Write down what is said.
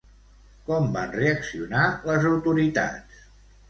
Com van reaccionar les autoritats?